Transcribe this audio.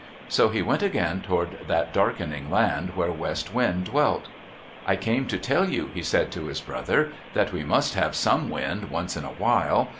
So he went again toward that Darkening Land where West Wind dwelt. "I came to tell you," he said to his brother, "that we must have some wind once in a while.